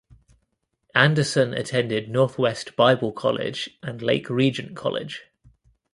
Anderson attended Northwest Bible College and Lake Region College.